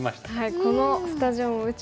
このスタジオも宇宙ですしね。